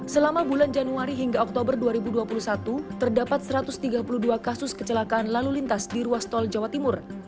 selama bulan januari hingga oktober dua ribu dua puluh satu terdapat satu ratus tiga puluh dua kasus kecelakaan lalu lintas di ruas tol jawa timur